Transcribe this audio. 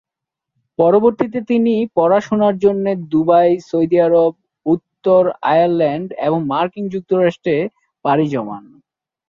পরবর্তীতে তিনি তার পড়াশুনার জন্য দুবাই, সৌদি আরব, উত্তর আয়ারল্যান্ড এবং মার্কিন যুক্তরাষ্ট্রে পাড়ি জমান।